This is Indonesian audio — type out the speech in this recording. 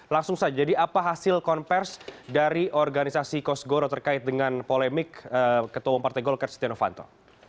langsung saja di apa hasil konversi dari organisasi kosgoro terkait dengan polemik ketua partai golkar setia novanto